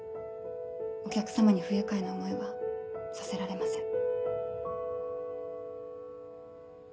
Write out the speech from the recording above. お客さまに不愉快な思いはさせられません。